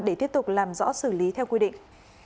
để tiếp tục làm rõ xử lý theo quy định